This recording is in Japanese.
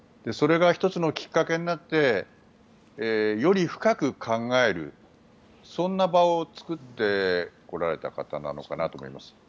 それが１つのきっかけになってより深く考えるそんな場を作ってこられた方なのかなと思います。